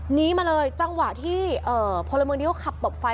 หนีมาเลยจังหวะที่พลเมืองดีเขาขับตบไฟ